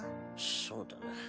そうだな。